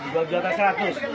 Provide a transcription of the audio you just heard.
dua juta seratus